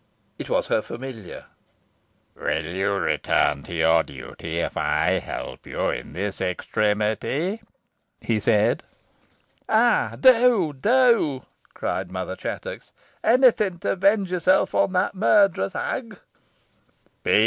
It was her familiar. "Will you return to your duty if I help you in this extremity?" he said. "Ay, do, do!" cried Mother Chattox. "Anything to avenge yourself upon that murtherous hag." "Peace!"